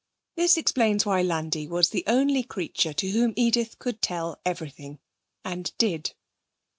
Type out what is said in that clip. This explains why Landi was the only creature to whom Edith could tell everything, and did.